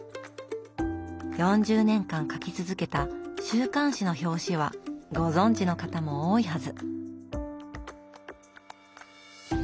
４０年間描き続けた週刊誌の表紙はご存じの方も多いはず。